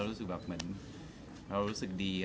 เรารู้สึกดี